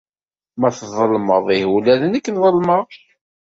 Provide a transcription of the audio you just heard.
Ma tḍelmeḍ ihi ula d nekk ḍelmeɣ.